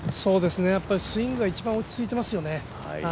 スイングが一番落ち着いていますよね。